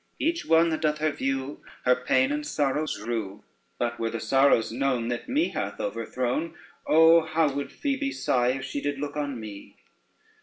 Each one that doth her view Her pain and sorrows rue; But were the sorrows known That me hath overthrown, Oh how would Phoebe sigh if she did look on me!